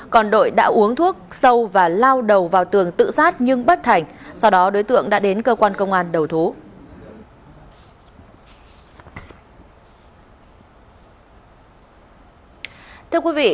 còn đội đã uống thuốc sâu và lao đầu vào tường tự sát nhưng bất thành sau đó đối tượng đã đến cơ quan công an đầu thú